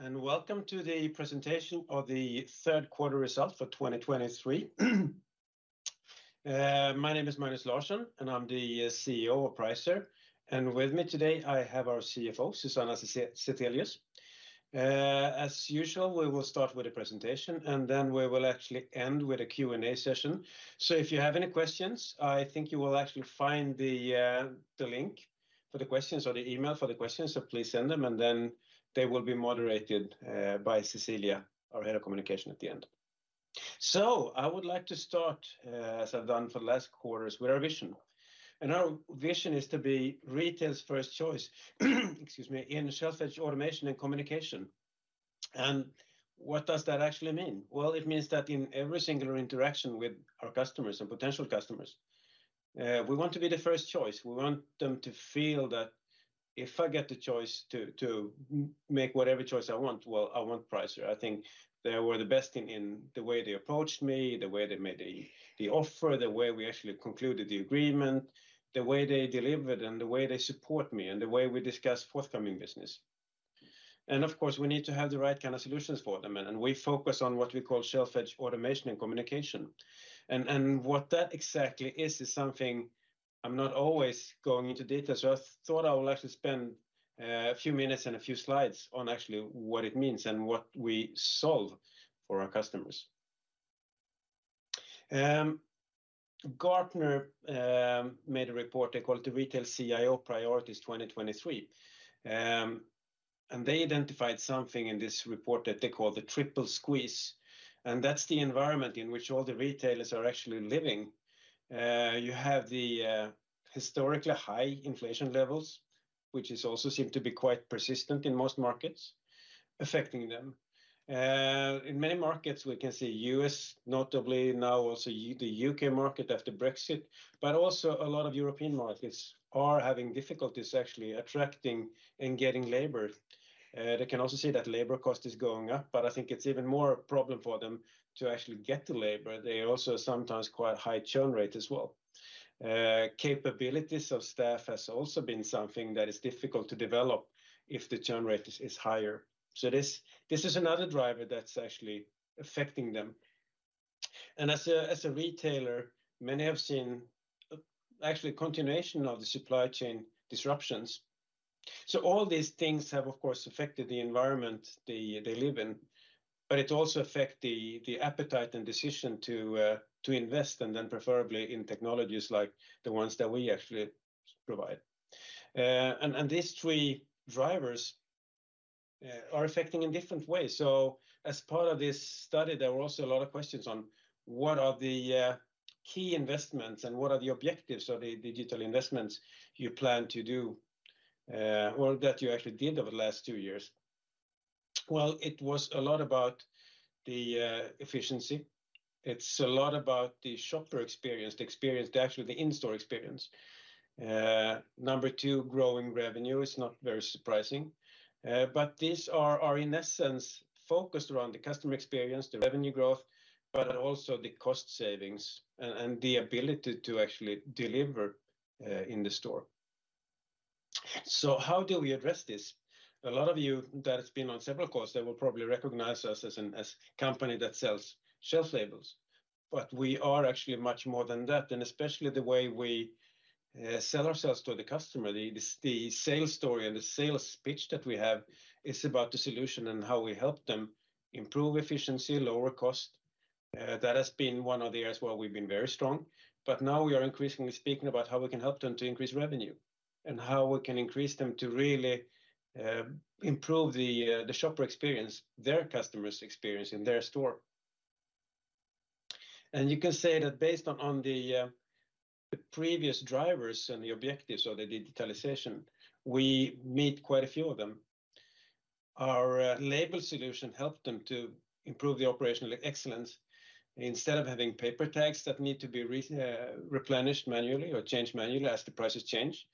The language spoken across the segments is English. Hello, everyone, and welcome to the presentation of the third quarter results for 2023. My name is Magnus Larsson, and I'm the CEO of Pricer. And with me today, I have our CFO, Susanna Zethelius. As usual, we will start with the presentation, and then we will actually end with a Q&A session. So if you have any questions, I think you will actually find the link for the questions or the email for the questions. So please send them, and then they will be moderated by Cecilia, our head of communication, at the end. So I would like to start as I've done for the last quarters, with our vision, and our vision is to be retail's first choice, excuse me, in shelf-edge automation and communication. And what does that actually mean? Well, it means that in every single interaction with our customers and potential customers, we want to be the first choice. We want them to feel that if I get the choice to make whatever choice I want, well, I want Pricer. I think they were the best in the way they approached me, the way they made the offer, the way we actually concluded the agreement, the way they delivered, and the way they support me, and the way we discuss forthcoming business. Of course, we need to have the right kind of solutions for them, and we focus on what we call shelf-edge automation and communication. What that exactly is is something I'm not always going into detail, so I thought I would like to spend a few minutes and a few slides on actually what it means and what we solve for our customers. Gartner made a report they called the Retail CIO Priorities 2023, and they identified something in this report that they call the Triple Squeeze, and that's the environment in which all the retailers are actually living. You have the historically high inflation levels, which is also seem to be quite persistent in most markets, affecting them. In many markets, we can see U.S., notably now also the U.K. market after Brexit, but also a lot of European markets are having difficulties actually attracting and getting labor. They can also see that labor cost is going up, but I think it's even more a problem for them to actually get the labor. They also sometimes quite high churn rate as well. Capabilities of staff has also been something that is difficult to develop if the churn rate is higher. So this is another driver that's actually affecting them. And as a retailer, many have seen actually a continuation of the supply chain disruptions. So all these things have, of course, affected the environment they live in, but it also affect the appetite and decision to invest, and then preferably in technologies like the ones that we actually provide. And these three drivers are affecting in different ways. So as part of this study, there were also a lot of questions on what are the key investments and what are the objectives of the digital investments you plan to do, or that you actually did over the last two years? Well, it was a lot about the efficiency. It's a lot about the shopper experience, the experience, actually the in-store experience. Number 2, growing revenue is not very surprising, but these are, in essence, focused around the customer experience, the revenue growth, but also the cost savings and the ability to actually deliver in the store. So how do we address this? A lot of you that has been on several calls they will probably recognize us as an as company that sells shelf labels, but we are actually much more than that, and especially the way we sell ourselves to the customer. The sales story and the sales pitch that we have is about the solution and how we help them improve efficiency, lower cost. That has been one of the areas where we've been very strong, but now we are increasingly speaking about how we can help them to increase revenue and how we can increase them to really improve the shopper experience, their customers' experience in their store. And you can say that based on the previous drivers and the objectives of the digitalization, we meet quite a few of them. Our label solution helped them to improve the operational excellence. Instead of having paper tags that need to be replenished manually or changed manually as the prices change,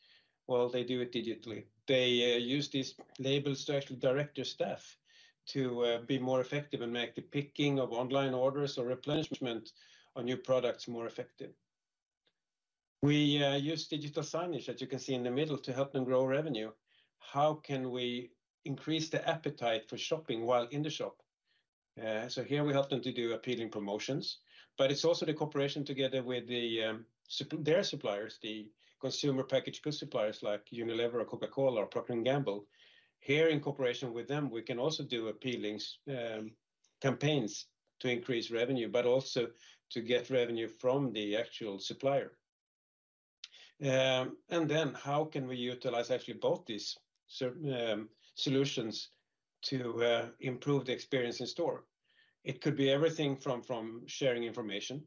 well, they do it digitally. They use these labels to actually direct their staff to be more effective and make the picking of online orders or replenishment on new products more effective. We use digital signage, as you can see in the middle, to help them grow revenue. How can we increase the appetite for shopping while in the shop? So here we help them to do appealing promotions, but it's also the cooperation together with their suppliers, the consumer-packaged goods suppliers like Unilever or Coca-Cola or Procter & Gamble. Here, in cooperation with them, we can also do appealing campaigns to increase revenue, but also to get revenue from the actual supplier. And then how can we utilize actually both these solutions to improve the experience in store? It could be everything from sharing information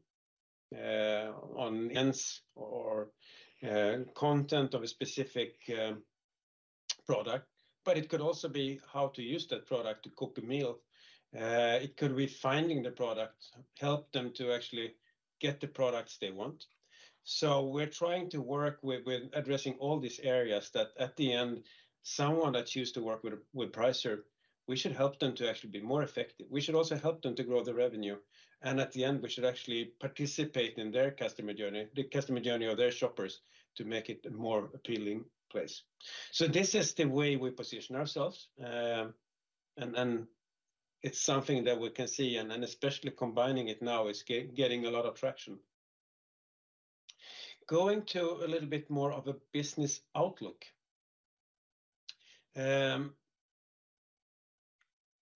on ends or content of a specific product, but it could also be how to use that product to cook a meal. It could be finding the product, help them to actually get the products they want. So we're trying to work with addressing all these areas that at the end, someone that choose to work with Pricer, we should help them to actually be more effective. We should also help them to grow their revenue, and at the end, we should actually participate in their customer journey, the customer journey of their shoppers, to make it a more appealing place. So this is the way we position ourselves, and it's something that we can see, and especially combining it now, it's getting a lot of traction. Going to a little bit more of a business outlook.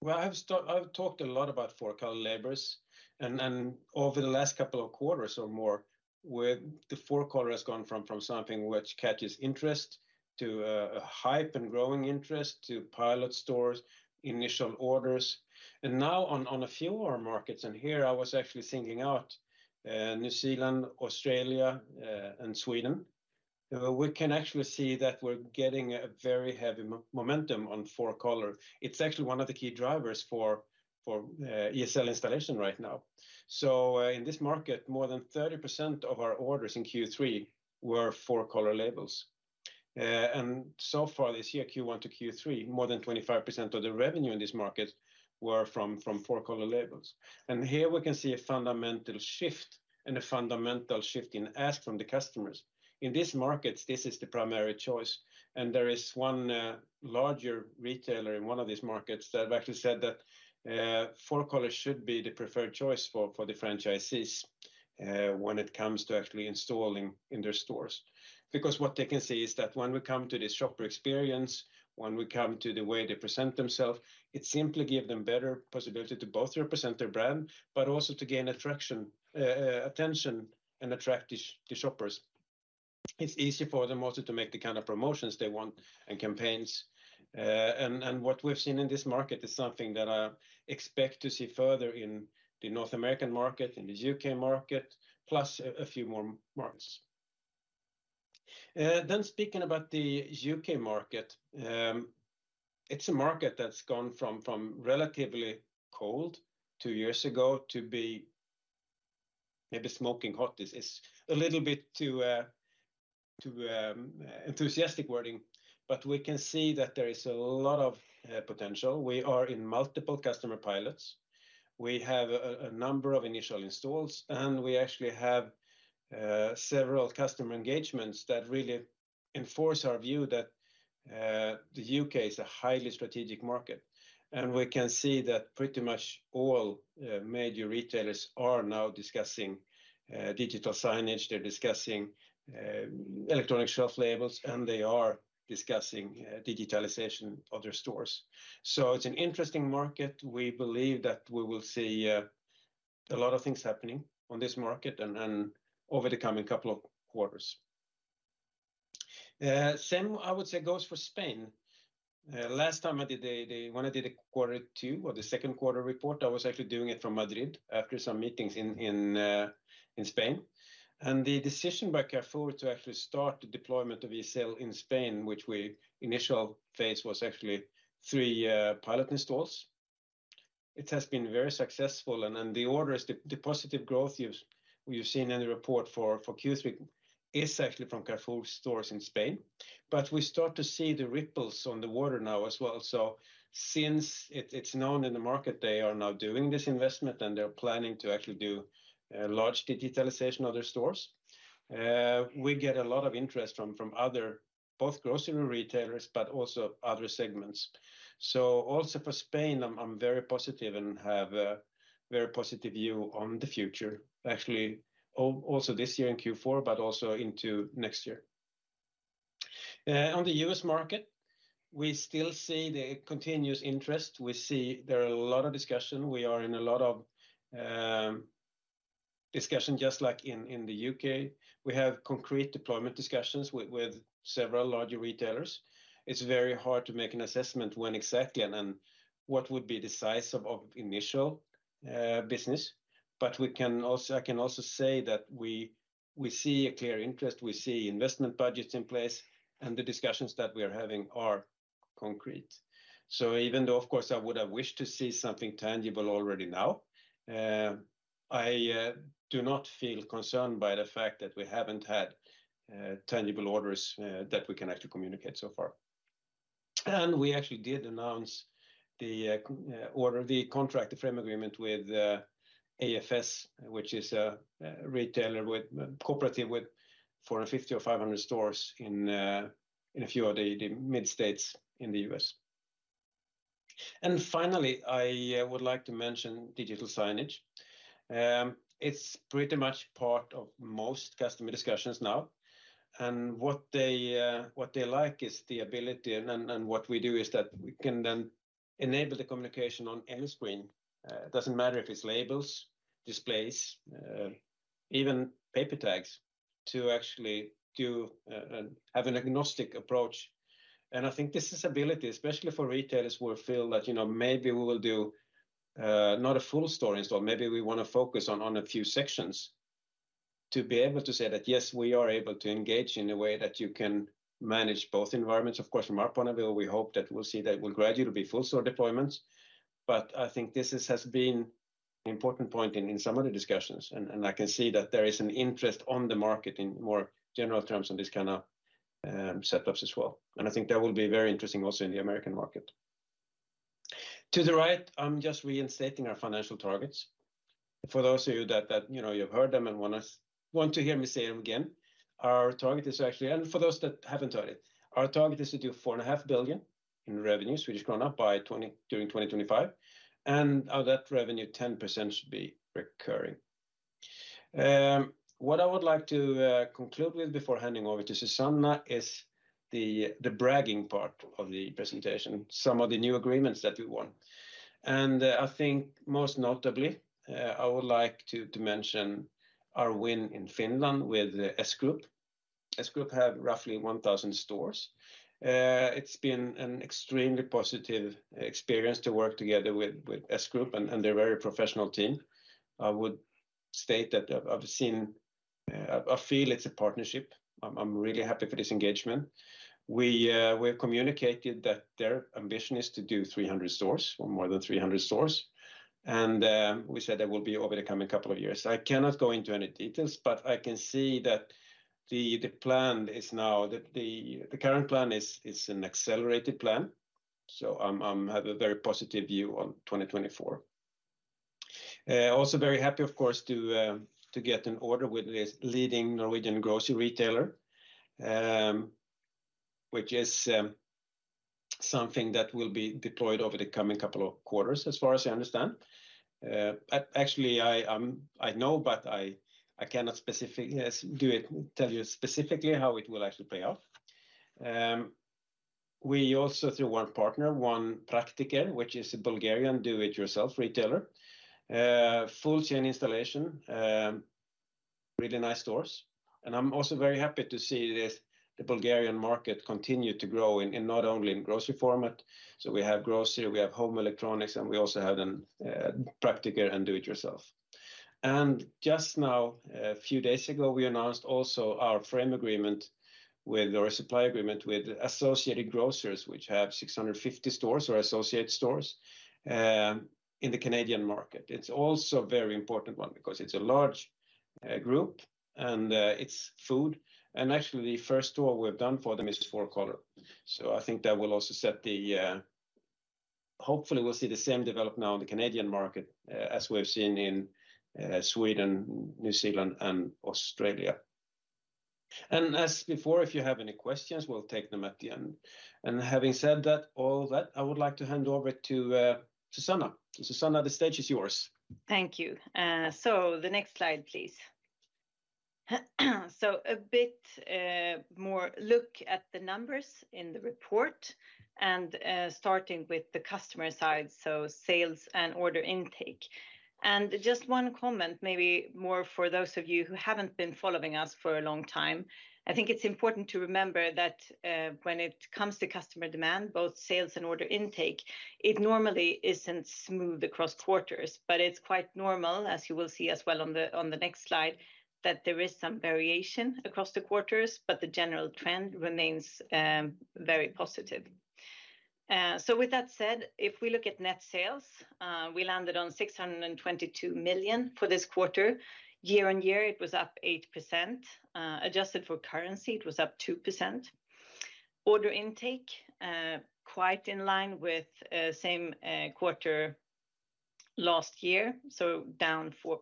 Well, I've talked a lot about four-color labels, and over the last couple of quarters or more, where the four-color has gone from something which catches interest to a hype and growing interest to pilot stores, initial orders. Now on a few of our markets, and here I was actually singling out New Zealand, Australia, and Sweden, we can actually see that we're getting a very heavy momentum on four-color. It's actually one of the key drivers for ESL installation right now. So, in this market, more than 30% of our orders in Q3 were four-color labels. And so far this year, Q1 to Q3, more than 25% of the revenue in this market were from four-color labels. And here we can see a fundamental shift and a fundamental shift in ask from the customers. In these markets, this is the primary choice, and there is one larger retailer in one of these markets that have actually said that four color should be the preferred choice for the franchisees when it comes to actually installing in their stores. Because what they can see is that when we come to the shopper experience, when we come to the way they present themselves, it simply give them better possibility to both represent their brand but also to gain attraction, attention, and attract the shoppers. It's easy for them also to make the kind of promotions they want and campaigns. And what we've seen in this market is something that I expect to see further in the North American market, in the UK market, plus a few more markets. Then speaking about the U.K. market, it's a market that's gone from relatively cold two years ago to be maybe smoking hot. This is a little bit too enthusiastic wording, but we can see that there is a lot of potential. We are in multiple customer pilots. We have a number of initial installs, and we actually have several customer engagements that really enforce our view that the U.K. is a highly strategic market. And we can see that pretty much all major retailers are now discussing digital signage, they're discussing electronic shelf labels, and they are discussing digitalization of their stores. So it's an interesting market. We believe that we will see a lot of things happening on this market and over the coming couple of quarters. Same, I would say, goes for Spain. Last time I did the quarter 2 or the second quarter report, I was actually doing it from Madrid after some meetings in Spain. And the decision by Carrefour to actually start the deployment of ESL in Spain, which we initial phase was actually 3 pilot installs, it has been very successful. And then the orders, the positive growth you've seen in the report for Q3 is actually from Carrefour stores in Spain. But we start to see the ripples on the water now as well. So since it's known in the market, they are now doing this investment, and they're planning to actually do large digitalization of their stores. We get a lot of interest from other both grocery retailers, but also other segments. So also for Spain, I'm very positive and have a very positive view on the future, actually, also this year in Q4, but also into next year. On the US market, we still see the continuous interest. We see there are a lot of discussion. We are in a lot of discussion, just like in the UK. We have concrete deployment discussions with several larger retailers. It's very hard to make an assessment when exactly and then what would be the size of initial business, but we can also—I can also say that we see a clear interest, we see investment budgets in place, and the discussions that we are having are concrete. So even though, of course, I would have wished to see something tangible already now, I do not feel concerned by the fact that we haven't had tangible orders that we can actually communicate so far. And we actually did announce the order, the contract, the frame agreement with AFS, which is a retailer cooperative with 450 or 500 stores in a few of the mid-states in the U.S. And finally, I would like to mention digital signage. It's pretty much part of most customer discussions now, and what they like is the ability, and what we do is that we can then enable the communication on any screen. It doesn't matter if it's labels, displays, even paper tags, to actually do and have an agnostic approach. And I think this is ability, especially for retailers who feel that, you know, maybe we will do not a full store install, maybe we wanna focus on a few sections. To be able to say that, "Yes, we are able to engage in a way that you can manage both environments," of course, from our point of view, we hope that we'll see that will gradually be full store deployments but I think this has been an important point in some of the discussions, and I can see that there is an interest on the market in more general terms on this kind of setups as well. And I think that will be very interesting also in the American market. To the right, I'm just reinstating our financial targets. For those of you that you know you've heard them and want to hear me say them again, our target is actually. For those that haven't heard it, our target is to do 4.5 billion in revenues, which has grown up by 20, during 2025, and of that revenue, 10% should be recurring. What I would like to conclude with before handing over to Susanna is the bragging part of the presentation, some of the new agreements that we won. I think most notably, I would like to mention our win in Finland with S Group. S Group have roughly 1,000 stores. It's been an extremely positive experience to work together with S Group and their very professional team. I would state that I've seen. I feel it's a partnership. I'm really happy for this engagement. We have communicated that their ambition is to do 300 stores, or more than 300 stores, and we said that will be over the coming couple of years. I cannot go into any details, but I can see that the plan is now the current plan is an accelerated plan, so I have a very positive view on 2024. Also very happy, of course, to get an order with this leading Norwegian grocery retailer, which is something that will be deployed over the coming couple of quarters, as far as I understand. Actually, I know, but I cannot tell you specifically how it will actually play out. We also, through one partner, won Praktiker, which is a Bulgarian do-it-yourself retailer. Full chain installation, really nice stores. And I'm also very happy to see the Bulgarian market continue to grow in not only in grocery format, so we have grocery, we have home electronics, and we also have Praktiker and do it yourself. And just now, a few days ago, we announced also our frame agreement with, or a supply agreement with Associated Grocers, which have 650 stores or associated stores, in the Canadian market. It's also a very important one because it's a large group, and it's food, and actually the first store we've done for them is four color. So I think that will also set the. Hopefully, we'll see the same development now in the Canadian market, as we've seen in, Sweden, New Zealand and Australia. And as before, if you have any questions, we'll take them at the end. And having said that, all that, I would like to hand over to, Susanna. Susanna, the stage is yours. Thank you. So the next slide, please. A bit more look at the numbers in the report and starting with the customer side, so sales and order intake. Just one comment, maybe more for those of you who haven't been following us for a long time. I think it's important to remember that when it comes to customer demand, both sales and order intake, it normally isn't smooth across quarters, but it's quite normal, as you will see as well on the next slide, that there is some variation across the quarters, but the general trend remains very positive. So with that said, if we look at net sales, we landed on 622 million for this quarter. Year-on-year, it was up 8%. Adjusted for currency, it was up 2%. Order intake quite in line with same quarter last year, so down 4%.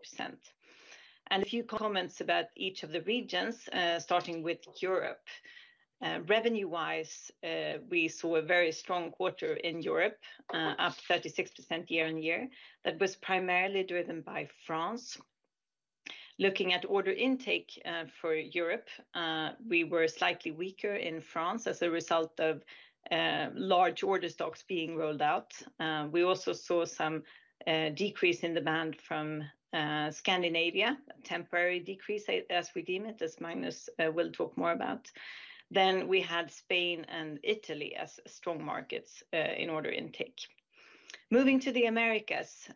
A few comments about each of the regions, starting with Europe. Revenue-wise, we saw a very strong quarter in Europe, up 36% year-on-year. That was primarily driven by France. Looking at order intake for Europe, we were slightly weaker in France as a result of large order stocks being rolled out. We also saw some decrease in demand from Scandinavia, a temporary decrease, as we deem it, as Magnus will talk more about. Then we had Spain and Italy as strong markets in order intake. Moving to the Americas,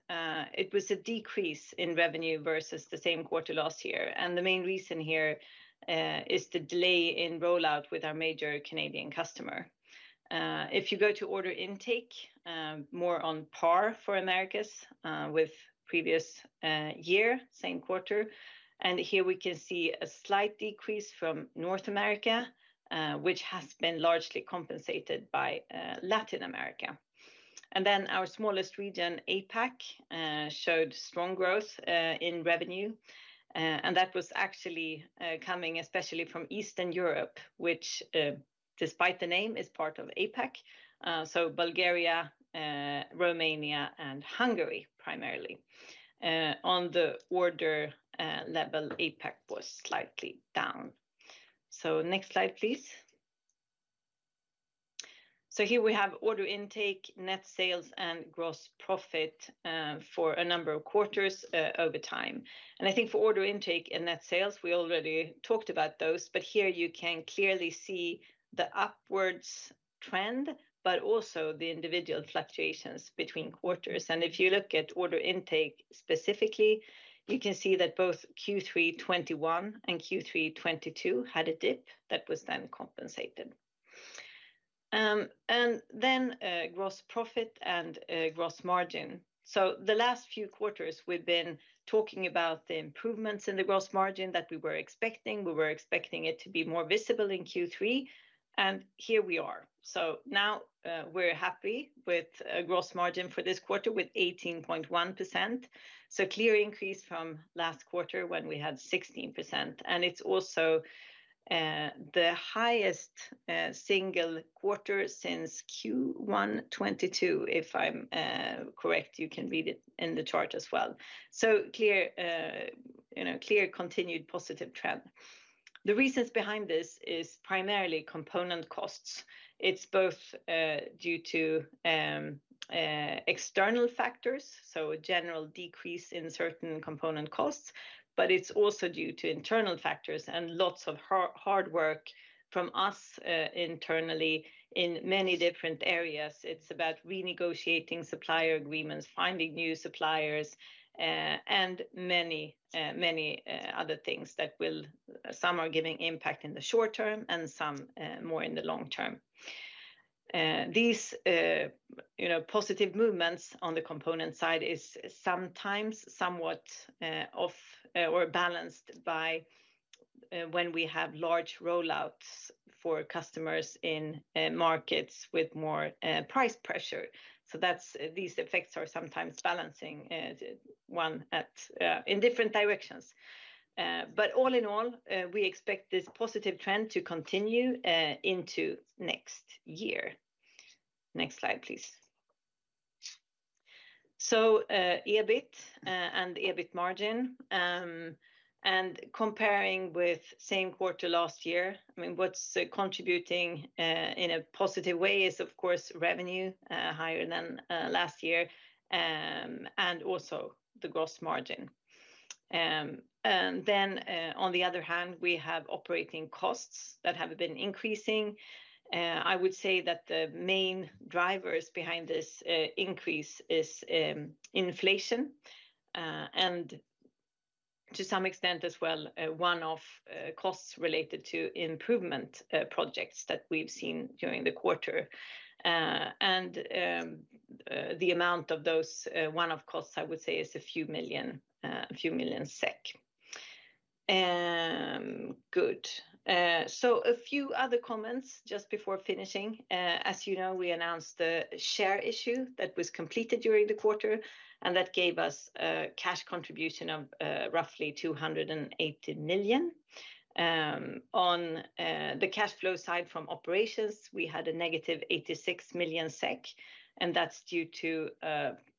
it was a decrease in revenue versus the same quarter last year, and the main reason here is the delay in rollout with our major Canadian customer. If you go to order intake, more on par for Americas with previous year, same quarter. Here we can see a slight decrease from North America, which has been largely compensated by Latin America. Then our smallest region, APAC, showed strong growth in revenue, and that was actually coming especially from Eastern Europe, which, despite the name, is part of APAC, so Bulgaria, Romania, and Hungary, primarily. On the order level, APAC was slightly down. So next slide, please. Here we have order intake, net sales, and gross profit for a number of quarters over time. I think for order intake and net sales, we already talked about those, but here you can clearly see the upwards trend, but also the individual fluctuations between quarters. If you look at order intake specifically, you can see that both Q3 2021 and Q3 2022 had a dip that was then compensated. And then, gross profit and gross margin. So the last few quarters, we've been talking about the improvements in the gross margin that we were expecting. We were expecting it to be more visible in Q3, and here we are. So now, we're happy with a gross margin for this quarter with 18.1%. So clear increase from last quarter when we had 16%, and it's also the highest single quarter since Q1 2022, if I'm correct. You can read it in the chart as well. So clear, you know, clear continued positive trend. The reasons behind this is primarily component costs. It's both due to external factors, so a general decrease in certain component costs, but it's also due to internal factors and lots of hard work from us internally in many different areas. It's about renegotiating supplier agreements, finding new suppliers, and many other things, some are giving impact in the short term and some more in the long term. These, you know, positive movements on the component side is sometimes somewhat offset or balanced by when we have large rollouts for customers in markets with more price pressure. So that's, these effects are sometimes balancing one another in different directions. But all in all, we expect this positive trend to continue into next year. Next slide, please. So, EBIT and EBIT margin, and comparing with same quarter last year, I mean, what's contributing in a positive way is, of course, revenue higher than last year, and also the gross margin. And then, on the other hand, we have operating costs that have been increasing. I would say that the main drivers behind this increase is, inflation, and to some extent as well, one-off costs related to improvement projects that we've seen during the quarter. And, the amount of those one-off costs, I would say, is a few million, a few million SEK. Good. So a few other comments just before finishing. As you know, we announced the share issue that was completed during the quarter, and that gave us a cash contribution of roughly 280 million. On the cash flow side from operations, we had a negative 86 million SEK, and that's due to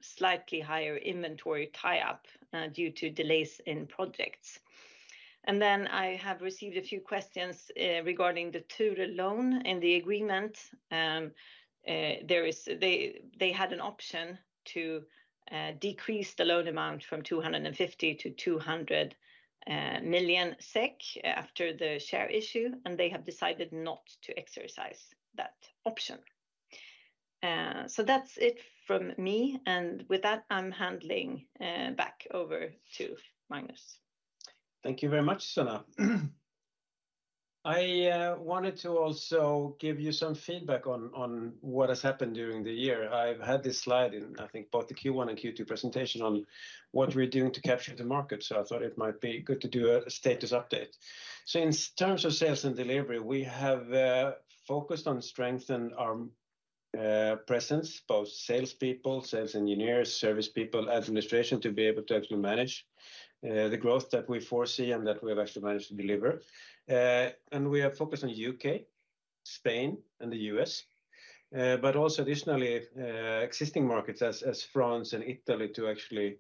slightly higher inventory tie-up due to delays in projects. Then I have received a few questions regarding the Ture loan and the agreement. They had an option to decrease the loan amount from 250 million to 200 million SEK after the share issue, and they have decided not to exercise that option. So that's it from me, and with that, I'm handing back over to Magnus. Thank you very much, Anna. I wanted to also give you some feedback on what has happened during the year. I've had this slide in, I think, both the Q1 and Q2 presentation on what we're doing to capture the market, so I thought it might be good to do a status update. In terms of sales and delivery, we have focused on strengthening our presence, both salespeople, sales engineers, service people, administration, to be able to actually manage the growth that we foresee and that we have actually managed to deliver. We are focused on U.K., Spain, and the U.S., but also additionally existing markets as France and Italy, to actually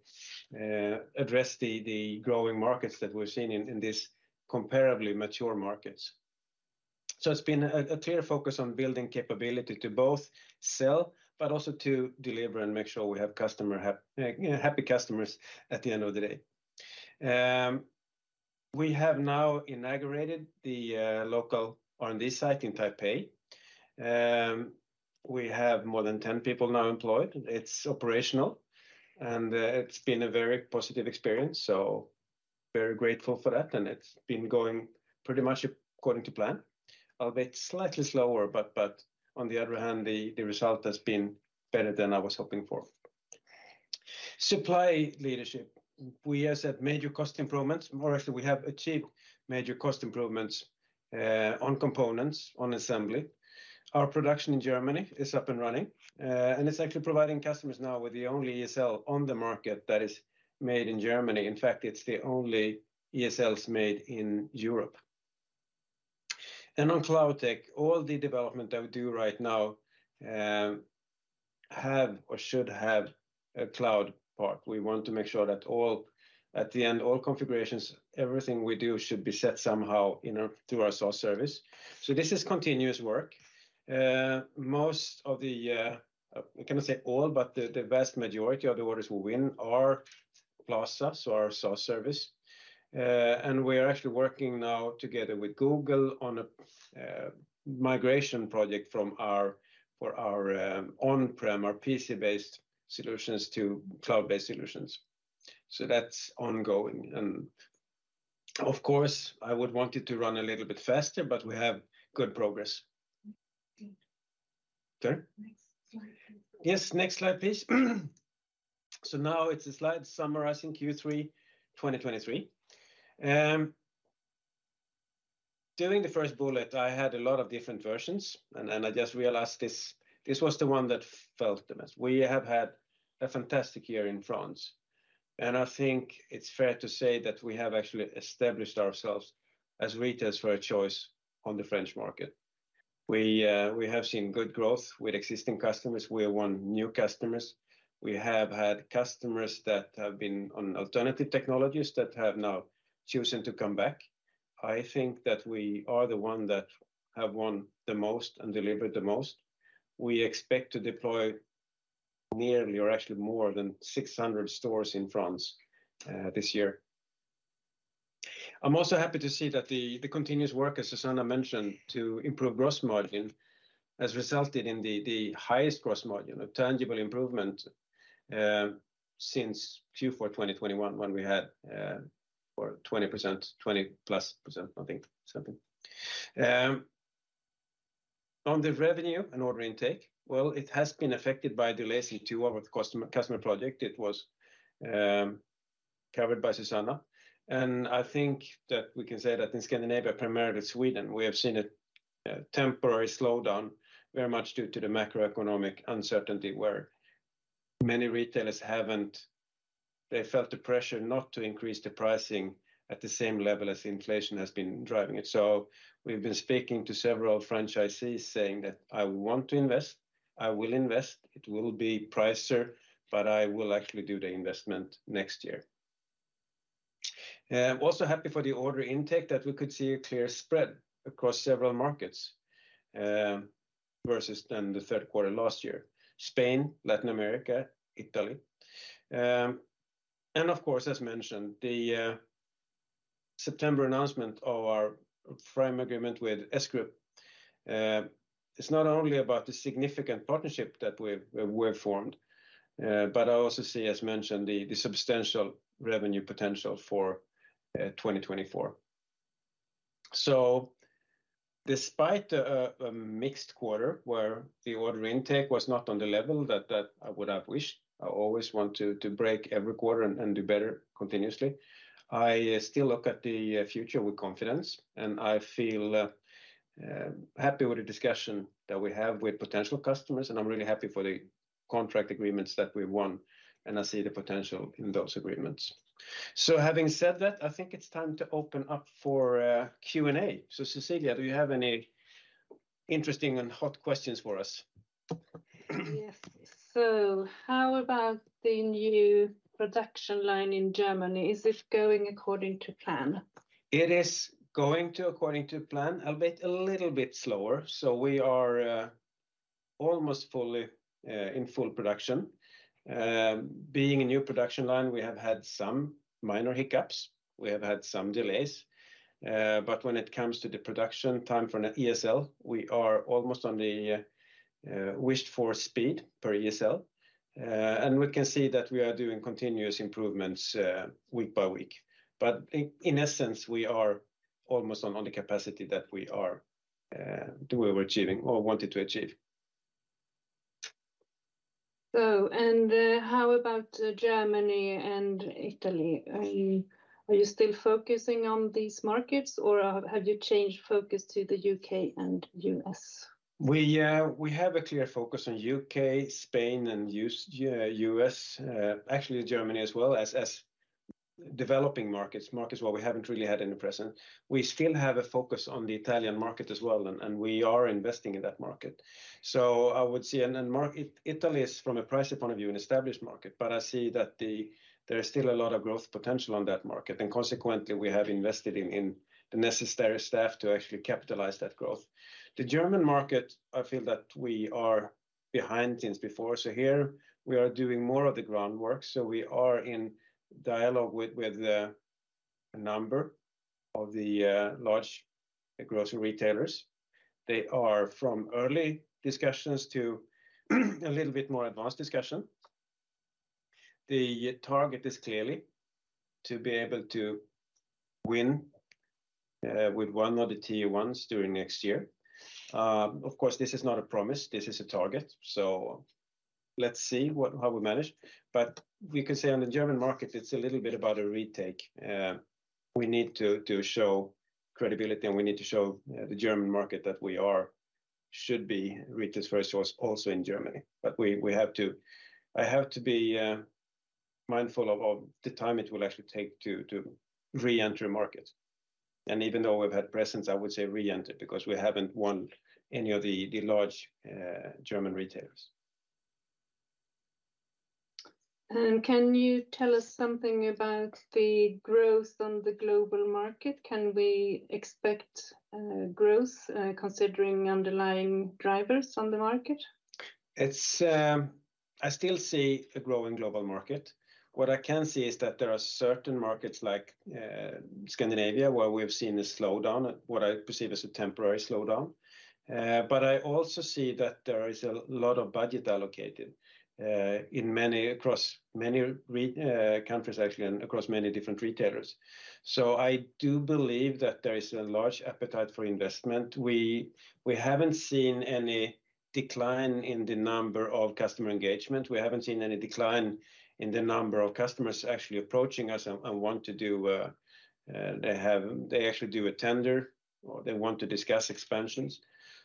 address the growing markets that we're seeing in this comparably mature markets. So it's been a clear focus on building capability to both sell but also to deliver and make sure we have customer happy, you know, happy customers at the end of the day. We have now inaugurated the local R&D site in Taipei. We have more than 10 people now employed. It's operational, and it's been a very positive experience, so very grateful for that, and it's been going pretty much according to plan. A bit slightly slower, but on the other hand, the result has been better than I was hoping for. Supply leadership. We have set major cost improvements, or actually, we have achieved major cost improvements on components, on assembly. Our production in Germany is up and running, and it's actually providing customers now with the only ESL on the market that is made in Germany. In fact, it's the only ESLs made in Europe. And on cloud tech, all the development that we do right now, have or should have a cloud part. We want to make sure that all, at the end, all configurations, everything we do should be set somehow in our, through our SaaS service. So this is continuous work. Most of the, I cannot say all, but the vast majority of the orders we win are Plaza, so our SaaS service. And we are actually working now together with Google on a migration project from our, for our, on-prem, our PC-based solutions to cloud-based solutions. So that's ongoing. Of course, I would want it to run a little bit faster, but we have good progress. Okay. Next slide, please. Yes, Next slide, Please. So now it's a slide summarizing Q3 2023. During the first bullet, I had a lot of different versions, and, and I just realized this, this was the one that felt the best. We have had a fantastic year in France, and I think it's fair to say that we have actually established ourselves as retailers' first choice on the French market. We have seen good growth with existing customers. We have won new customers. We have had customers that have been on alternative technologies that have now chosen to come back. I think that we are the one that have won the most and delivered the most. We expect to deploy nearly or actually more than 600 stores in France this year. I'm also happy to see that the continuous work, as Susanna mentioned, to improve gross margin, has resulted in the highest gross margin, a tangible improvement, since Q4 2021, when we had or 20%, 20%+, I think, something. On the revenue and order intake, well, it has been affected by delays in two of our customer projects. It was covered by Susanna. And I think that we can say that in Scandinavia, primarily Sweden, we have seen a temporary slowdown, very much due to the macroeconomic uncertainty, where many retailers haven't. They felt the pressure not to increase the pricing at the same level as inflation has been driving it. So we've been speaking to several franchisees saying that, "I want to invest. I will invest. It will be Pricer, but I will actually do the investment next year." I'm also happy for the order intake that we could see a clear spread across several markets, versus than the third quarter last year, Spain, Latin America, Italy. And of course, as mentioned, the September announcement of our frame agreement with S Group, it's not only about the significant partnership that we've formed, but I also see, as mentioned, the substantial revenue potential for 2024. So despite a mixed quarter where the order intake was not on the level that I would have wished, I always want to break every quarter and do better continuously. I still look at the future with confidence, and I feel happy with the discussion that we have with potential customers, and I'm really happy for the contract agreements that we've won, and I see the potential in those agreements. So having said that, I think it's time to open up for Q&A. So, Cecilia, do you have any interesting and hot questions for us? Yes. So how about the new production line in Germany? Is this going according to plan? It is going according to plan, a bit, a little bit slower. So we are almost fully in full production. Being a new production line, we have had some minor hiccups. We have had some delays. But when it comes to the production time for an ESL, we are almost on the wished-for speed per ESL. And we can see that we are doing continuous improvements week by week. But in essence, we are almost on the capacity that we were achieving or wanted to achieve. How about Germany and Italy? Are you still focusing on these markets, or have you changed focus to the UK and US? We have a clear focus on U.K., Spain and U.S., actually Germany as well as developing markets, markets where we haven't really had any presence. We still have a focus on the Italian market as well, and we are investing in that market. So I would see Italy is, from a price point of view, an established market, but I see that there is still a lot of growth potential on that market, and consequently, we have invested in the necessary staff to actually capitalize that growth. The German market, I feel that we are behind since before, so here we are doing more of the groundwork. So we are in dialogue with a number of the large grocery retailers. They are from early discussions to a little bit more advanced discussion. The target is clearly to be able to win with one of the tier ones during next year. Of course, this is not a promise, this is a target, so let's see how we manage. But we can say on the German market, it's a little bit about a retake. We need to show credibility, and we need to show the German market that we are should be retailers first source also in Germany. But we have to. I have to be mindful of the time it will actually take to reenter a market. And even though we've had presence, I would say reenter, because we haven't won any of the large German retailers. Can you tell us something about the growth on the global market? Can we expect growth, considering underlying drivers on the market? It's, I still see a growing global market. What I can see is that there are certain markets, like, Scandinavia, where we've seen a slowdown, what I perceive as a temporary slowdown. But I also see that there is a lot of budget allocated, in many across many countries actually, and across many different retailers. So I do believe that there is a large appetite for investment. We haven't seen any decline in the number of customer engagement. We haven't seen any decline in the number of customers actually approaching us and want to do, they actually do a tender, or they want to discuss expansions.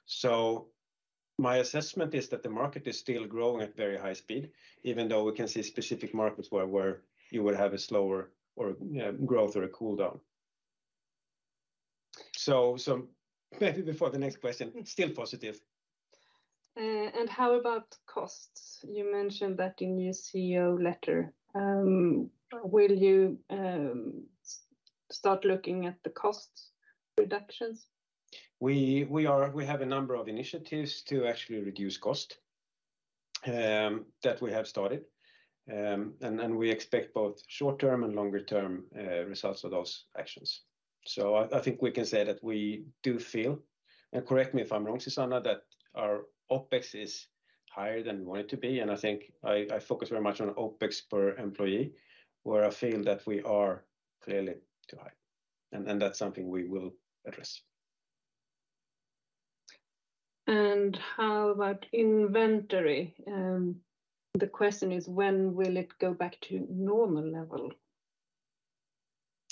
So my assessment is that the market is still growing at very high speed, even though we can see specific markets where you would have a slower or growth or a cool down. So maybe before the next question, still positive. How about costs? You mentioned that in your CEO letter. Will you start looking at the cost reductions? We have a number of initiatives to actually reduce cost that we have started. And we expect both short-term and longer-term results of those actions. So I think we can say that we do feel, and correct me if I'm wrong, Susanna, that our OpEx is higher than we want it to be, and I think I focus very much on OpEx per employee, where I feel that we are clearly too high, and that's something we will address. How about inventory? The question is, when will it go back to normal level?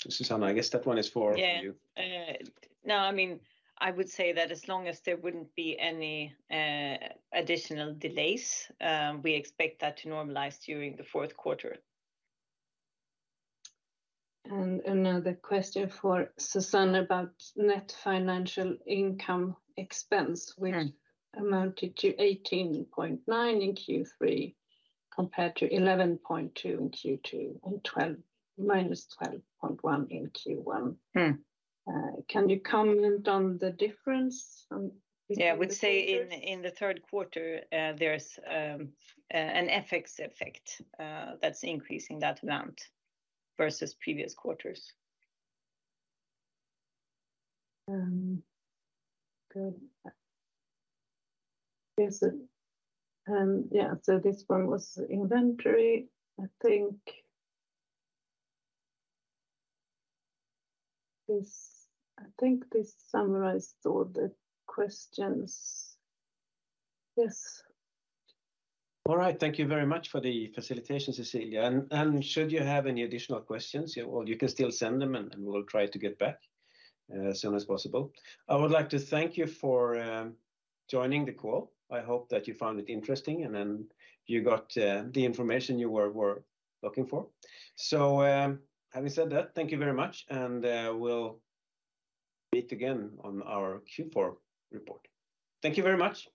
Susanna, I guess that one is for you. Yeah. No, I mean, I would say that as long as there wouldn't be any additional delays, we expect that to normalize during the fourth quarter. Another question for Susanna about net financial income expense- Okay Which amounted to 18.9 in Q3, compared to 11.2 in Q2 and -12.1 in Q1. Hmm. Can you comment on the difference between the quarters? Yeah, I would say in the third quarter, there's an FX effect that's increasing that amount versus previous quarters. Good. There's yeah, so this one was inventory. I think this summarized all the questions. Yes. All right. Thank you very much for the facilitation, Cecilia. And should you have any additional questions, well, you can still send them, and we will try to get back as soon as possible. I would like to thank you for joining the call. I hope that you found it interesting, and then you got the information you were looking for. So, having said that, thank you very much, and we'll meet again on our Q4 report. Thank you very much.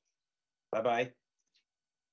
Bye-bye.